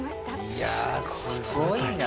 いやあすごいな。